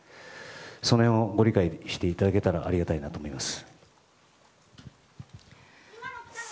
その辺をご理解していただけたらなと思います。